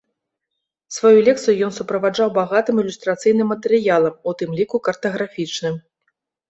Сваю лекцыю ён суправаджаў багатым ілюстрацыйным матэрыялам, у тым ліку картаграфічным.